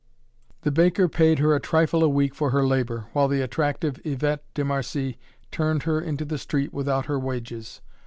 The baker paid her a trifle a week for her labor, while the attractive Yvette de Marcie turned her into the street without her wages.